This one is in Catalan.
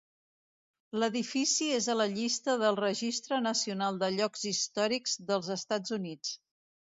L'edifici és a la llista del Registre Nacional de Llocs Històrics dels Estats Units.